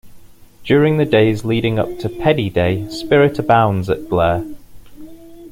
During the days leading up to Peddie Day, spirit abounds at Blair.